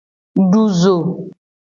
Du zo.